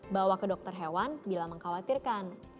bawa ke dokter hewan bila mengkhawatirkan